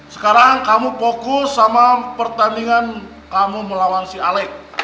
sekarang kamu fokus sama pertandingan kamu melawan si alec